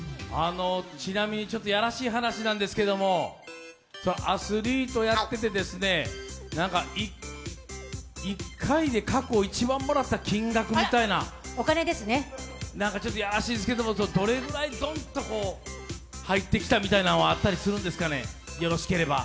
ちなみにちょっとやらしい話なんですけども、アスリートやってて１回で過去一番もらった金額みたいな何かやらしいですけどどれくらいドンと入ってきたみたいなのはあったりするんですかね？